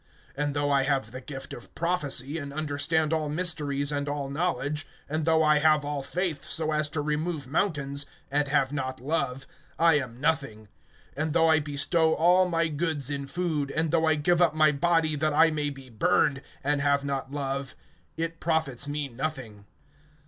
(2)And though I have the gift of prophecy, and understand all mysteries, and all knowledge; and though I have all faith, so as to remove mountains, and have not love, I am nothing. (3)And though I bestow all my goods in food, and though I give up my body that I may be burned, and have not love, it profits me nothing.